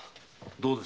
どうです？